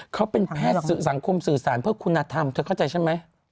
เขาเป็นแพทย์สังคมสื่อสารเพื่อคุณธรรมเธอเข้าใจฉันไหม